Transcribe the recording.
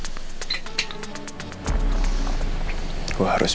saya mau ke rumah